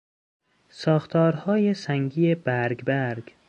ساختارهای سنگی برگبرگ